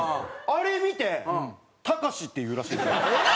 あれ見て「タカシ」って言うらしいんですよ。